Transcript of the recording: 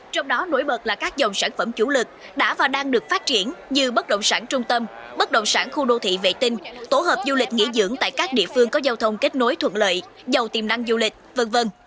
trong đó nổi bật là các dòng sản phẩm chủ lực đã và đang được phát triển như bất động sản trung tâm bất động sản khu đô thị vệ tinh tổ hợp du lịch nghỉ dưỡng tại các địa phương có giao thông kết nối thuận lợi giàu tiềm năng du lịch v v